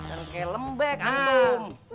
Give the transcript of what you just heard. enggak lembek antum